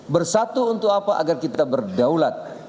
bersatu untuk apa agar kita berdaulat